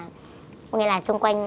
có nghĩa là xung quanh